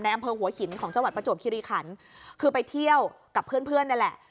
อำเภอหัวหินของจังหวัดประจวบคิริขันคือไปเที่ยวกับเพื่อนเพื่อนนี่แหละ